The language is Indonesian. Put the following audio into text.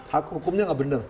hak hukumnya nggak benar